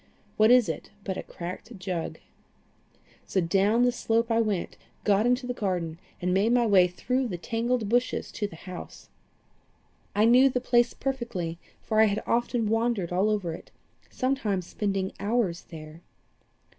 What is it but a cracked jug? So down the slope I went, got into the garden, and made my way through the tangled bushes to the house. I knew the place perfectly, for I had often wandered all over it, sometimes spending hours there.